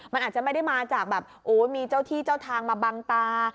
มันอาจจะไม่ได้มาจากแบบโอ้มีเจ้าที่เจ้าทางมาบังตา